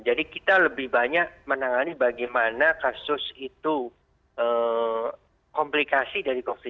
jadi kita lebih banyak menangani bagaimana kasus itu komplikasi dari covid sembilan belas